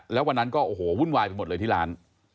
แล้ววันนั้นก็โอ้โหวุ่นวายไปหมดเลยที่ร้าน